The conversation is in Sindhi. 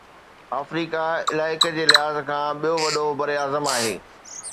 آفريڪا علائقي جي لحاظ کان ٻيو وڏو براعظم آهي